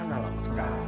mana lah kau sekarang